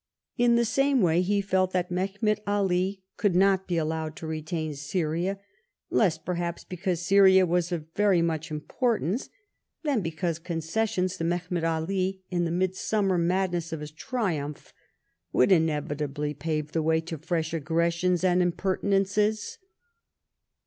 In the same way he felt that Mehemet THE QUADBILATEBAL ALLIANCE. 79 Ali could not be allowed to retain Syria, lessy perhaps, because Syria was of very much importance, than because concessions to Mehemet Ali in the midsummer madness of his triumph would inevitably pave the way to fresh ■aggressions and impertinences.